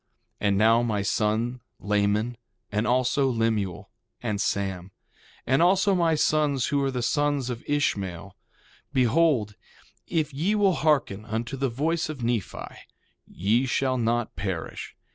1:28 And now my son, Laman, and also Lemuel and Sam, and also my sons who are the sons of Ishmael, behold, if ye will hearken unto the voice of Nephi ye shall not perish.